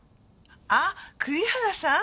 あっ栗原さん？